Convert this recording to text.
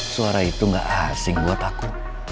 suara itu gak asing buat aku